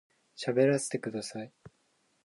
喋らせてください